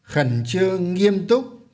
khẩn trương nghiêm túc